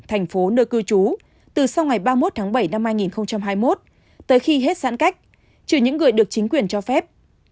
thành phố nơi cư trú từ sau ngày ba mươi một tháng bảy năm hai nghìn hai mươi một tới khi hết giãn cách trừ những người được chính quyền cho phép